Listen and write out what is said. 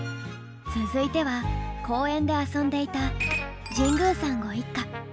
続いては公園で遊んでいた神宮さんご一家。